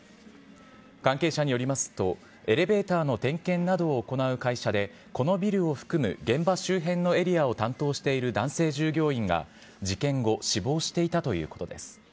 関係者によりますと、エレベーターの点検などを行う会社で、このビルを含む現場周辺のエリアを担当している男性従業員が事件後、死亡していたということです。